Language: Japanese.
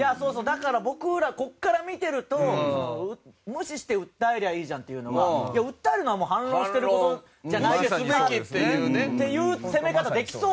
だから僕らここから見てると無視して訴えりゃいいじゃんっていうのは訴えるのはもう反論してる事じゃないですかっていう攻め方できそうに見えたけどな。